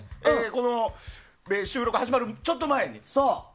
この収録が始まるちょっと前に。